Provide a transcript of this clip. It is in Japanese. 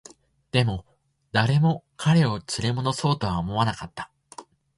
でも、誰も彼を連れ戻そうとは思わなかった